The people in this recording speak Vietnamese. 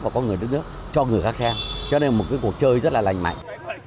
của con người đất nước cho người khác xem cho nên một cuộc chơi rất là lành mạnh